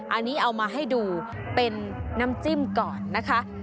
อันนี้เอามาให้ดูเป็นน้ำจิ้มก่อนนะคะ